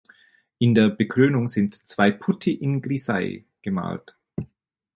In der Bekrönung sind zwei Putti in Grisaille gemalt.